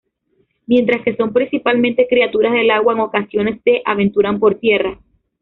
Mientras que son principalmente criaturas del agua, en ocasiones se aventuran por tierra.